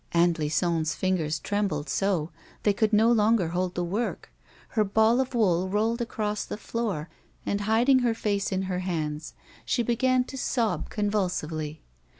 Aunt Lison's fingers trembled so, they could no longer hold the work ; her ball of wool rolled across the floor, and, hiding her face in her hands, she beg^n to sob convulsively.